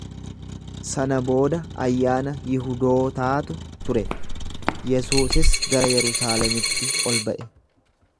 Sana booda ayyaana Yihudootaatu ture, Yesuusis gara Yerusaalemitti ol ba’e.